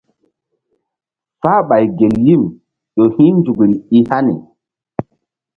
Fáhɓay gel yim ƴo hi̧ nzukri i hani.